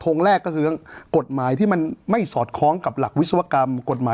แรกก็คือกฎหมายที่มันไม่สอดคล้องกับหลักวิศวกรรมกฎหมาย